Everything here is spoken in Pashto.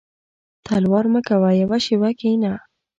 •تلوار مه کوه یو شېبه کښېنه.